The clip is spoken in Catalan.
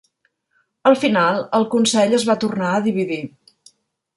Al final, el consell es va tornar a dividir.